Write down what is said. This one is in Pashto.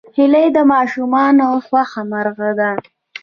هیلۍ د ماشومانو خوښ مرغه ده